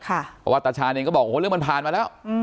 เพราะว่าตาชาณิย์เนี่ยก็บอกว่าเรื่องมันผ่านมาแล้ว